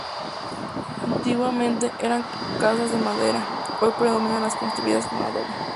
Antiguamente eran casas de madera, hoy predominan las construidas con adobe.